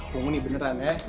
tunggu nih beneran ya